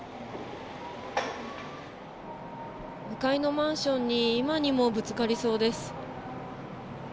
向かいのマンションに今にもぶつかりそうです。